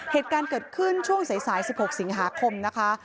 เหตุการณ์เกิดขึ้นช่วงสาย๑๖สิงหาคมนะคะ